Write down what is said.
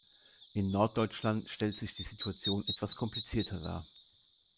In Norddeutschland stellt sich die Situation etwas komplizierter dar.